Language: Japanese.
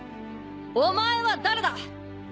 お前は誰だ？